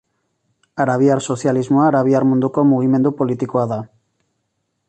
Arabiar sozialismoa arabiar munduko mugimendu politikoa da.